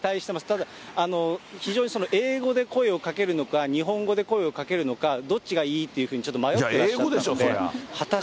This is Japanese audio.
ただ、非常に英語で声をかけるのか、日本語で声をかけるのか、どっちがいいっていうふうに迷ってらっしゃいました。